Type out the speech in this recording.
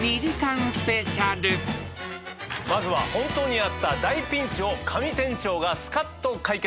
まずは本当にあった大ピンチを神店長がスカッと解決。